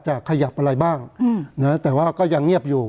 ขยับอะไรบ้างแต่ว่าก็ยังเงียบอยู่